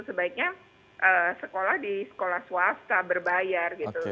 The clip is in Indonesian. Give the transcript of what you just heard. sebaiknya sekolah di sekolah swasta berbayar gitu